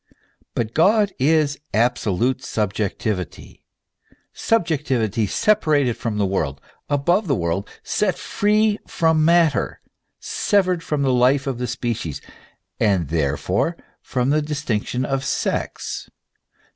But God is absolute subjectivity, subjectivity separated from the world, above the world, set free from matter, severed from the life of the species, and therefore from the distinction of sex.